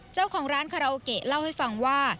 เจ้าของร้านคาราโอเกะเล่าให้ฟังว่า